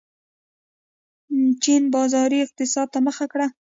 چین بازاري اقتصاد ته مخه کړه.